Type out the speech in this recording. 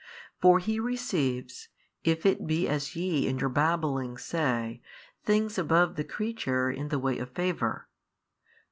For He receives, if it be as YE in your babbling say, things above the creature in the way of favour.